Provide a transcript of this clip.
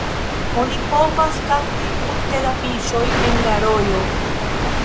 Oni povas kapti multe da fiŝoj en la rojo.